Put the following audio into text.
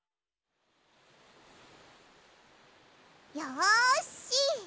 よし！